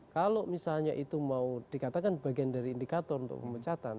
kalau misalnya itu mau dikatakan bagian dari indikator untuk pemecatan